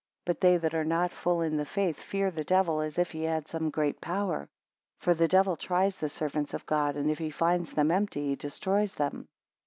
But they that are not full in the faith, fear the devil, as if he had some great power. For the devil tries the servants of God and if he finds them empty, he destroys them.